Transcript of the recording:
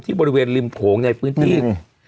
บริเวณริมโขงในพื้นที่